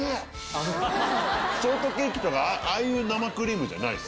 ショートケーキとかああいう生クリームじゃない。